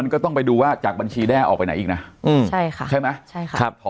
ก็ต้องไหวดูว่าจากบัญชีได้ออกไปไหนอีก